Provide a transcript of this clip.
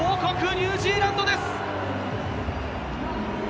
ニュージーランドです。